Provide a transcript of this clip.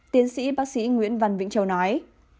tiến sĩ bác sĩ nguyễn văn vĩnh châu nói